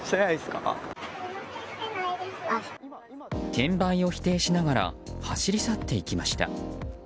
転売を否定しながら走り去っていきました。